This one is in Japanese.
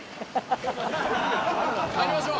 入りましょう！